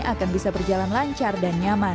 akan bisa berjalan lancar dan nyaman